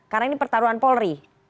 karena ini pertarungan polri